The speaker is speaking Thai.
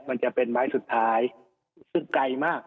มันจะเป็นไม้สุดท้ายซึ่งไกลมาก